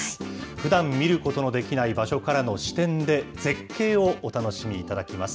ふだん見ることのできない場所からの視点で、絶景をお楽しみいただきます。